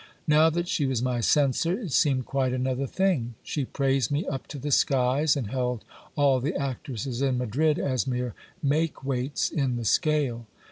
Now that she was my censor, it seemed quite another thing. She praised me up to the skies, and held all the actresses in Madrid as mere makeweights in the scale.